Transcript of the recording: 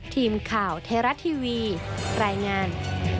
ทีมข่าวไทยรัฐทีวีรายงาน